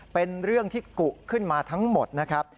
เป็นเรื่องที่กุขึ้นมาทั้งหมดนะครับ